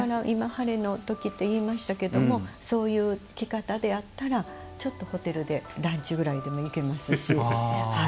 ハレのときっていいましたけどそういう着方であったらホテルでランチぐらいでもいけますし。